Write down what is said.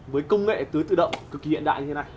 với công nghệ tưới tự động cực kỳ hiện đại như thế này